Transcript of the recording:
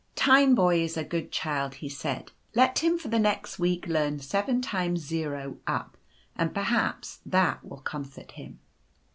" Tineboy is a good child," he said, " let him for the next week learn 7 times up, and perhaps that will com fort him.